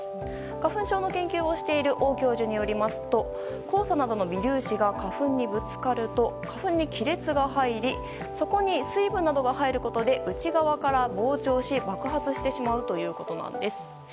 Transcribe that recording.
花粉症の研究をしている王教授によりますと黄砂などの微粒子が花粉にぶつかると花粉に亀裂が入りそこに水分などが入ることで内側から膨張し爆発してしまうということです。